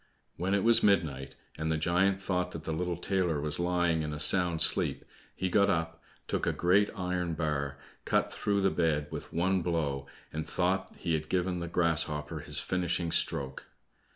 When it was midnight, and the giant thought that the little tailor was lying in a sound sleep, he got up, took a great iron bar, cut through the bed with one blow, and thought he had given the grasshopper his finishing stroke.